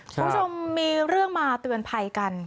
คุณผู้ชมมีเรื่องมาเตือนภัยกัน